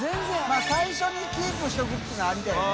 泙最初にキープしておくっていうのはありだよね。